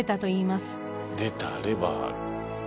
出たレバー。